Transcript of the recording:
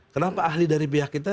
kenapa ahli dari pihak kita